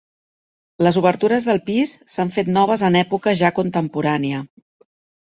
Les obertures del pis s'han fet noves en època ja contemporània.